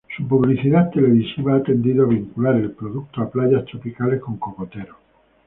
Su publicidad televisiva ha tendido a vincular el producto a playas tropicales con cocoteros.